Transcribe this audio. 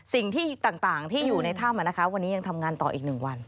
สิ่งที่ต่างที่อยู่ในถ้ำวันนี้ยังทำงานต่ออีก๑วัน